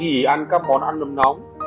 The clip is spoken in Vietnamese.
hãy ăn các món ăn nấm nóng